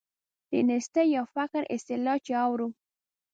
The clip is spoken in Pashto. د نیستۍ یا فقر اصطلاح چې اورو.